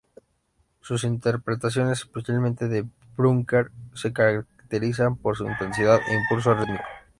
Sus interpretaciones, especialmente de Bruckner se caracterizan por su intensidad e impulso rítmico.